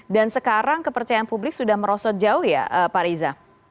dan sekarang kepercayaan publik sudah merosot jauh ya pak riza